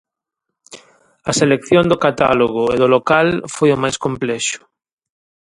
A selección do catálogo e do local foi o máis complexo.